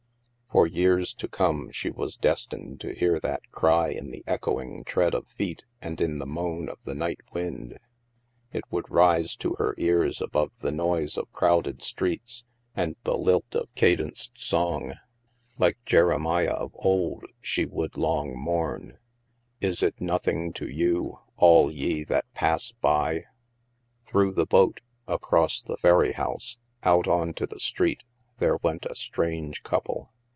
For years to come, she was destined to hear that cry in the echoing tread of feet and in the moan of the night wind. It would rise to her ears above the noise of crowded streets and the lilt of cadenced 238 THE MASK song. Like Jeremiah of old, she would long moum :" Is it nothing to you, all ye that pass by ?Through the boat, across the ferry house, out on to the street, there went a strange couple.